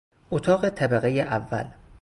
اتاق طبقهی اول